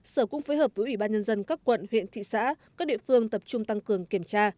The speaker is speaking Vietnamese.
sở cũng phối hợp với ủy ban nhân dân các quận huyện thị xã các địa phương tập trung tăng cường kiểm tra